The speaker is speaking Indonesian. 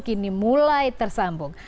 kini mulai tersambung